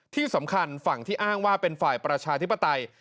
ที่สำคัญฝั่งที่อ้างว่าเป็นฝ่ายประชาธิปไตย